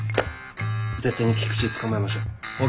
絶対に菊池捕まえましょう。